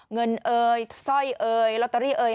เอ่ยสร้อยเอยลอตเตอรี่เอย